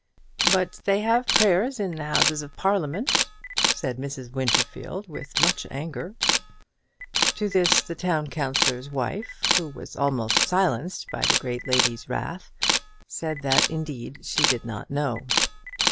"But they have prayers in the Houses of Parliament," said Mrs. Winterfield, with much anger. To this the town councillor's wife, who was almost silenced by the great lady's wrath, said that indeed she did not know.